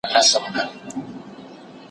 ټولنیز علوم د ټولنیزو چارو سره اړیکي نه لري.